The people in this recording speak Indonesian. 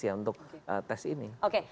ya untuk tes ini